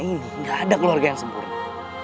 di dunia ini gak ada keluarga yang sempurna